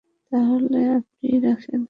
তাহলে আপনিই রাখেন!